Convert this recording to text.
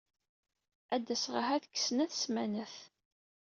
A d-aseɣ ahat deg snat ssmanat.